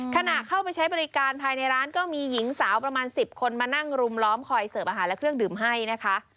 ขณะเข้าไปใช้บริการภายในร้านก็มีหญิงสาวประมาณ๑๐คนมานั่งรุมล้อมคอยเสิร์ฟอาหารและเครื่องดื่มให้นะคะ